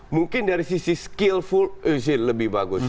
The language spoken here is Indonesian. mungkin dari sisi skillful lebih bagus